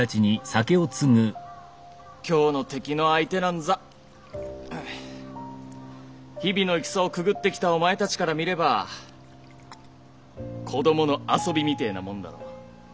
今日の敵の相手なんざ日々の戦をくぐってきたお前たちから見れば子供の遊びみてえなもんだろ。